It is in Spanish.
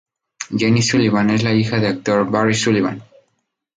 Jenny Sullivan es la hija del actor Barry Sullivan.